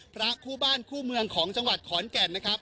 พระคู่บ้านคู่เมืองของจังหวัดขอนแก่นนะครับ